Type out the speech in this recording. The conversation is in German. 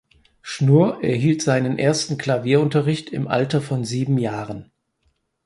Schnurr erhielt seinen ersten Klavierunterricht im Alter von sieben Jahren.